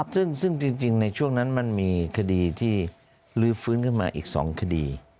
ซึ่งจริงในช่วงนั้นมันมีคดีที่ลื้อฟื้นขึ้นมาอีก๒คดี